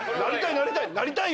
なりたい。